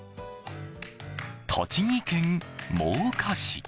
栃木県真岡市。